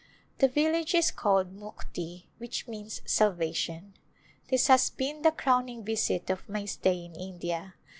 The village is called Mukti which means Salvation. This has been the crowning visit of my stay in India.